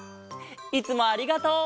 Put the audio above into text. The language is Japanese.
いつもありがとう！